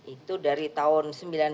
itu dari tahun